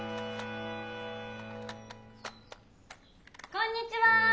・・こんにちは。